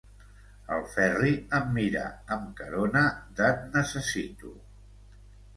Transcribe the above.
El Ferri em mira amb carona d'et-necessito.